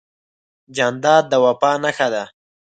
جانداد د وفا نښه ده.